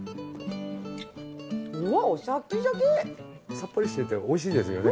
さっぱりしていて美味しいですよね。